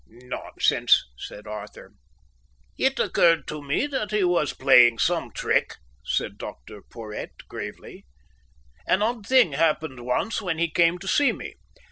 "Nonsense!" said Arthur. "It occurred to me that he was playing some trick," said Dr Porhoët gravely. "An odd thing happened once when he came to see me.